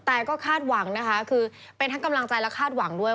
แต่ก็คาดหวังนะคะคือเป็นทั้งกำลังใจและคาดหวังด้วย